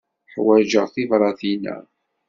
Ḥwaǧeɣ tibratin-a.